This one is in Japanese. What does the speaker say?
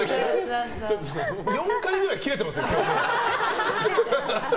４回くらいキレてますよ、今日。